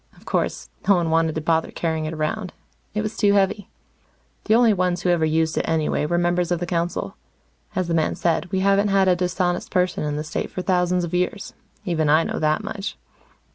Of course, no one wanted to bother carrying it around. It was too heavy. The only ones who ever used it, anyway, were members of the council. As the man said, we haven't had a dishonest person in the State for thousands of years. Even I know that much.